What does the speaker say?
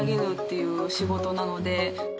いう仕事なので。